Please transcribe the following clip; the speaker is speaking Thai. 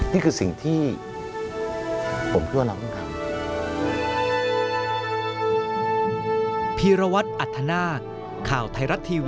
นี่คือสิ่งที่ผมคิดว่าเราต้องทำ